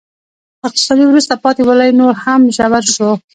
اقتصادي وروسته پاتې والی نور هم ژور شو.